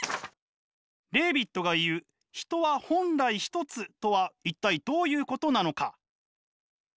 レーヴィットが言う「人は本来ひとつ」とは一体どういうことなのか？